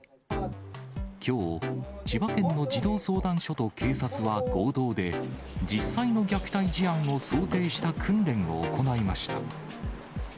きょう、千葉県の児童相談所と警察は合同で、実際の虐待事案を想定した訓練を行いました。